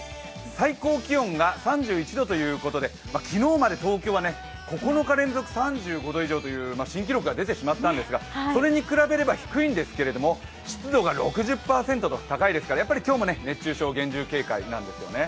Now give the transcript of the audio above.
最高気温が３１度ということで、昨日まで東京は９日連続３５度以上という新記録が出てしまったんですがそれに比べれば低いんですけれども、湿度が６０％と高いですから今日も熱中症に厳重警戒なんですよね。